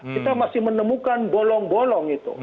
kita masih menemukan bolong bolong itu